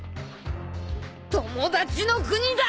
友達の国だ！！